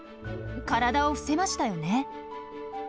体を伏せましたよね。